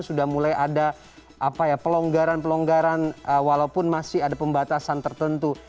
sudah mulai ada pelonggaran pelonggaran walaupun masih ada pembatasan tertentu